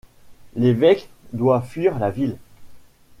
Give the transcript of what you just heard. L'évêque doit fuir la ville.